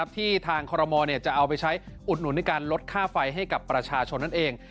ที่ทางคอรมอลจะเอาไปใช้อุดหนุนในการลดค่าไฟให้กับประชาชนนั่นเอง